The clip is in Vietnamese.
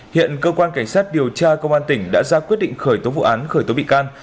hiện cơ quan cảnh sát điều tra công an tỉnh đã ra quyết định khởi tố vụ án khởi tố bị can